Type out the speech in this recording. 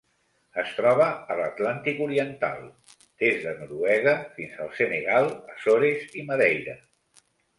Es troba a l'Atlàntic oriental: des de Noruega fins al Senegal, Açores i Madeira.